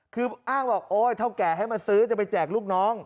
คืออ้างบอกโอ๊ยเท่าแก่ให้มาซื้อจะไปแจกลูกน้อง